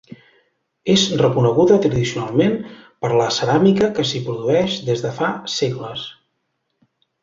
És reconeguda tradicionalment per la ceràmica que s'hi produeix des de fa segles.